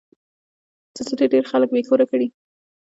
زلزلې ډېر خلک بې کوره کړي.